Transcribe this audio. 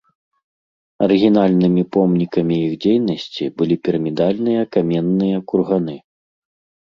Арыгінальнымі помнікамі іх дзейнасці былі пірамідальныя каменныя курганы.